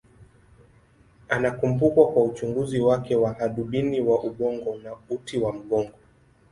Anakumbukwa kwa uchunguzi wake wa hadubini wa ubongo na uti wa mgongo.